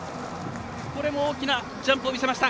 これも大きなジャンプを見せました。